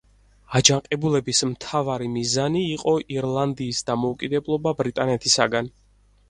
აჯანყებულების მთავარი მიზანი იყო ირლანდიის დამოუკიდებლობა ბრიტანეთისაგან.